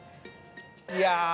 いや！